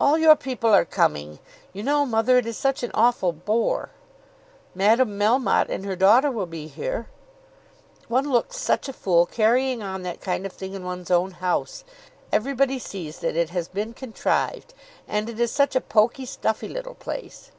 "All your people are coming! You know, mother, it is such an awful bore." "Madame Melmotte and her daughter will be here." "One looks such a fool carrying on that kind of thing in one's own house. Everybody sees that it has been contrived. And it is such a pokey, stuffy little place!"